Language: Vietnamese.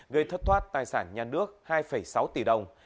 gây thất thoát tài sản nhà nước hai sáu tỷ đồng